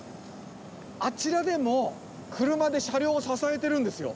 あちらでも車で車両を支えてるんですよ。